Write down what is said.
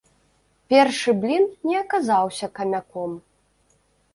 Першы блін не аказаўся камяком.